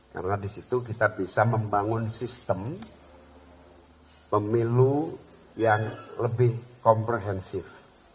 karena di situ kita bisa membangun sistem pemilu yang lebih komprehensif